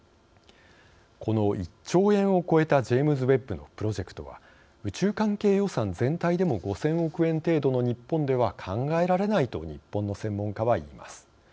この１兆円を超えたジェームズ・ウェッブのプロジェクトは宇宙関係予算全体でも５，０００億円程度の日本では考えられないと日本の専門家は言います。